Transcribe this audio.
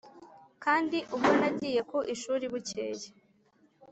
kandi ubwo nagiye ku ishuri bukeye,